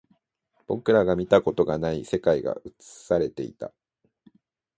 僕らが見たことがない世界が映されていた